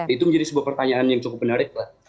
itu menjadi sebuah pertanyaan yang cukup menarik lah